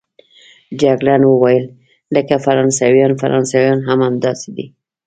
جګړن وویل: لکه فرانسویان، فرانسویان هم همداسې دي.